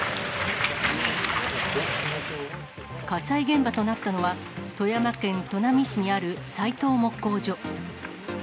火災現場となったのは、富山県砺波市にある斉藤木工所。